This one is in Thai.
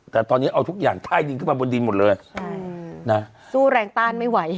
แต่ตอนนี้เอาทุกอย่างใต้ดินขึ้นมาบนดินหมดเลยใช่นะสู้แรงต้านไม่ไหว